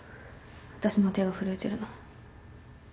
私の手が震えてるの。